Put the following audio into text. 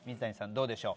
どうでしょう？